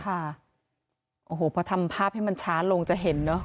โอ้โหพอทำภาพให้มันช้าลงจะเห็นเนอะ